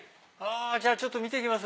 ちょっと見て行きます